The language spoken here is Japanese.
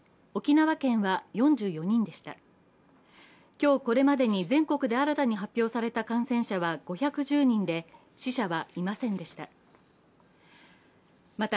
今日これまでに全国で新たに発表された感染者は５１０人で死者はいませんでした。